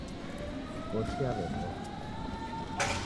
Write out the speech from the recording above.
Koshi yawedoka